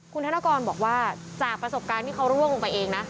คุณธนกรบอกว่าจากประสบการณ์ที่เขาร่วงลงไปเองนะ